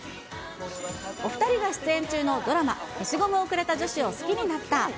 お２人が出演中のドラマ、消しゴムをくれた女子を好きになった。